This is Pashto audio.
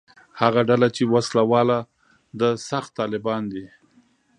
هغه ډله چې وسله واله ده «سخت طالبان» دي.